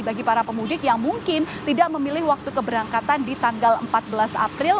bagi para pemudik yang mungkin tidak memilih waktu keberangkatan di tanggal empat belas april